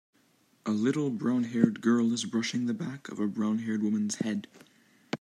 A little brownhaired girl is brushing the back of a brownhaired woman 's head.